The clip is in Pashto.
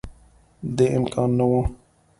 دې امکان نه وو